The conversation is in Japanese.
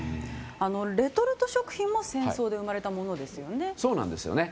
レトルト食品も戦争で生まれたものですよね。